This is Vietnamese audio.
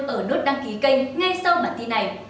ở đốt đăng ký kênh ngay sau bản tin này